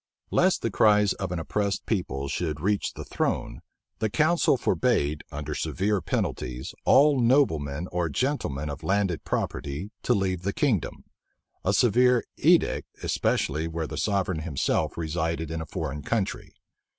Lest the cry of an oppressed people should reach the throne, the council forbade, under severe penalties, all noblemen or gentlemen of landed property to leave the kingdom, a severe edict, especially where the sovereign himself resided in a foreign country.